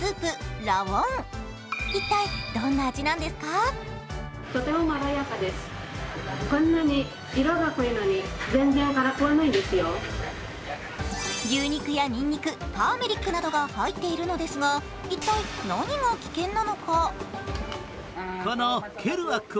早速、そのスープを注文してみると牛肉やにんにく、ターメリックなどが入っているんですが、一体、何が危険なのか。